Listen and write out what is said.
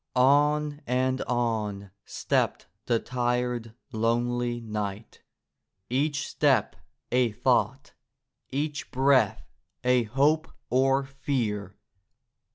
On and on stepped the tired, lonely knight, each step a thought, each breath a hope or fear.